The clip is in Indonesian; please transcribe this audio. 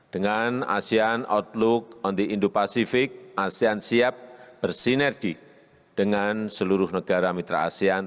dengan asean outlook on the indo pacific asean siap bersinergi dengan seluruh negara mitra asean